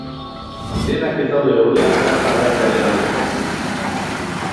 Denak ez daude ordea data aldatzearen alde.